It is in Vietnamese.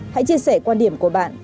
hãy chia sẻ quan điểm của bạn